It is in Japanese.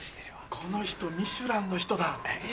この人ミシュランの人だ。